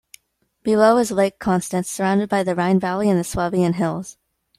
Below is Lake Constance, surrounded by the Rhine valley and the Swabian hills.